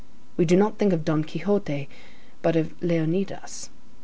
We do not think of Don Quixote but of Leonidas.